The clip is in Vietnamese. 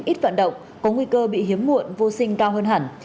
ít vận động có nguy cơ bị hiếm muộn vô sinh cao hơn hẳn